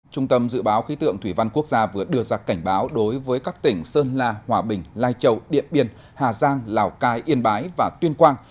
trung tâm dự báo khí tượng thủy văn quốc gia vừa đưa ra cảnh báo đối với các tỉnh sơn la hòa bình lai châu điện biên hà giang lào cai yên bái và tuyên quang